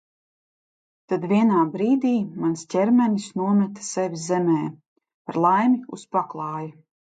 Tad vienā brīdī mans ķermenis nometa sevi zemē, par laimi, uz paklāja.